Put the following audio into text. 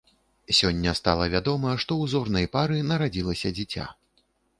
Сёння стала вядома, што ў зорнай пары нарадзілася дзіця.